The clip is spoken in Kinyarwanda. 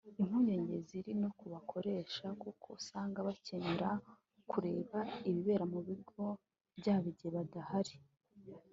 Impungenge ziri no ku bakoresha kuko usanga bakenera kureba ibibera mu bigo byabo igihe badahari